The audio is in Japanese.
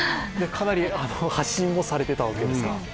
かなり発信もされていたわけですか？